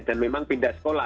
dan memang pindah sekolah